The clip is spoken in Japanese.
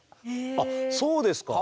あっそうですか。